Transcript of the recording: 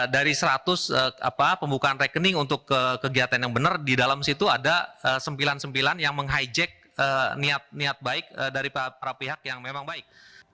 dari seratus pembukaan rekening untuk kegiatan yang benar di dalam situ ada sempilan sempilan yang meng hijack niat niat baik dari para pihak yang memang baik